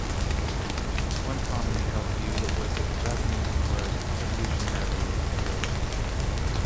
One commonly held view was that the Japanese were evolutionarily inferior.